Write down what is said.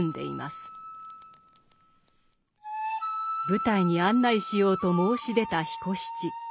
舞台に案内しようと申し出た彦七。